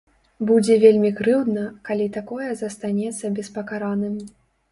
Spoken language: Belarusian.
Будзе вельмі крыўдна, калі такое застанецца беспакараным.